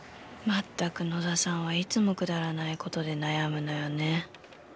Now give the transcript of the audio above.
全く野田さんはいつもくだらない事で悩むのよね。